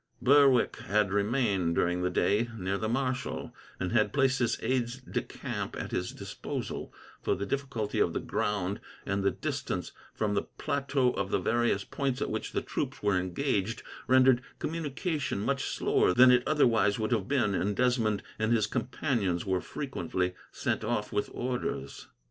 Berwick had remained, during the day, near the marshal; and had placed his aides de camp at his disposal, for the difficulty of the ground, and the distance from the plateau of the various points at which the troops were engaged, rendered communication much slower than it otherwise would have been, and Desmond and his companions were frequently sent off with orders.